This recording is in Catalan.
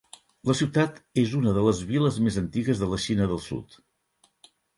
La ciutat és una de les viles més antigues de la Xina del Sud.